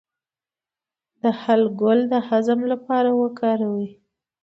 د هل ګل د هضم لپاره وکاروئ